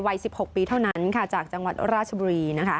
วัย๑๖ปีเท่านั้นค่ะจากจังหวัดราชบุรีนะคะ